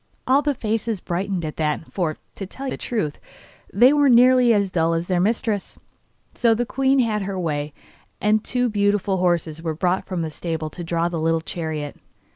All the faces brightened at that, for, to tell the truth, they were nearly as dull as their mistress; so the queen had her way, and two beautiful horses were brought from the stable to draw the little chariot.